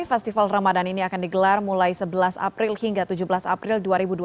festival ramadan ini akan digelar mulai sebelas april hingga tujuh belas april dua ribu dua puluh